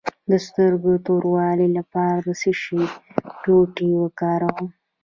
د سترګو د توروالي لپاره د څه شي ټوټې وکاروم؟